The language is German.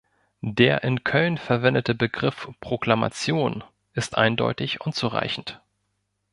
Der in Köln verwendete Begriff "Proklamation" ist eindeutig unzureichend.